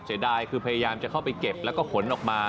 เสียดายคือพยายามจะเข้าไปเก็บแล้วก็ขนออกมา